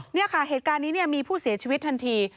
นี่ค่ะเหตุการณ์นี้มีผู้เสียชีวิตทันที